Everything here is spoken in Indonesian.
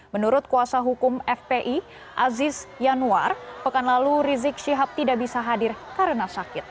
menurut kuasa hukum fpi aziz yanuar pekan lalu rizik syihab tidak bisa hadir karena sakit